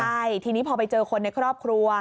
ใช่ทีนี้พอไปเจอคนในครอบครัว